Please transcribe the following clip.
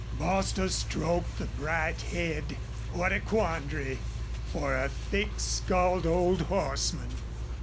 Bostil stroked the bright head. What a quandary for a thick skulled old horseman!